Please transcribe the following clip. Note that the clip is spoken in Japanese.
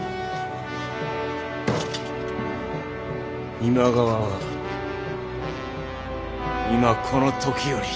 今川は今この時より。